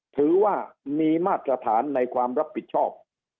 ถือว่ามีมาตรฐานในความรับผิดชอบ